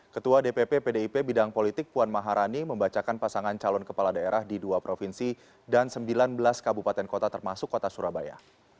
ketua dpp pdip bidang politik puan maharani membacakan pasangan calon kepala daerah di dua provinsi dan sembilan belas kabupaten kota termasuk kota surabaya